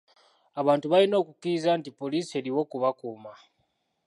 Abantu balina okukkiriza nti poliisi eriwo kubakuuma.